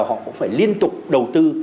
họ cũng phải liên tục đầu tư